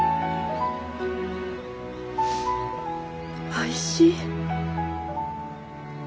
おいしい。